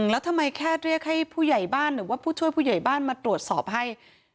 แล้วทำไมแค่เรียกให้ผู้ใหญ่บ้านหรือว่าผู้ช่วยผู้ใหญ่บ้านมาตรวจสอบให้